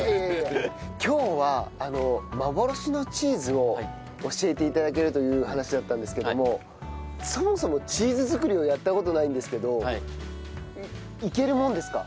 今日は幻のチーズを教えて頂けるという話だったんですけどもそもそもチーズ作りをやった事ないんですけどいけるもんですか？